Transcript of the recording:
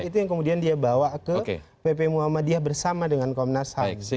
itu yang kemudian dia bawa ke pp muhammadiyah bersama dengan komnas ham